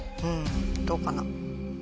どうかな？